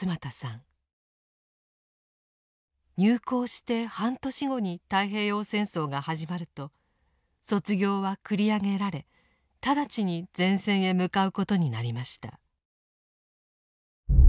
入校して半年後に太平洋戦争が始まると卒業は繰り上げられ直ちに前線へ向かうことになりました。